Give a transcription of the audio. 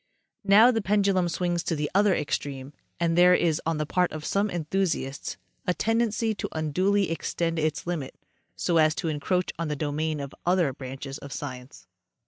Now the pendulum swings to the other extreme, and there is on the part of some enthusiasts a tendency to unduly extend its limit so as to encroach on the domain of other branches of sci ence.